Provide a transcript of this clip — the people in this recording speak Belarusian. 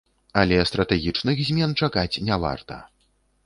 Але стратэгічных змен чакаць не варта.